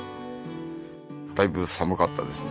だいぶ寒かったですね。